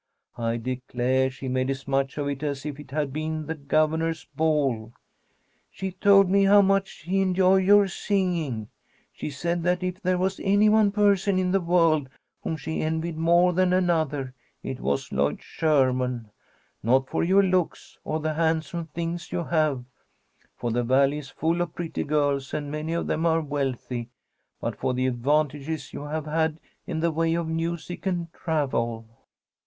I declare she made as much of it as if it had been the governor's ball. She told me how much she enjoyed your singing. She said that, if there was any one person in the world whom she envied more than another, it was Lloyd Sherman. Not for your looks or the handsome things you have (for the Valley is full of pretty girls, and many of them are wealthy), but for the advantages you have had in the way of music and travel.